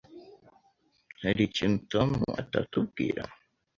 Hari ikintu Tom atatubwira?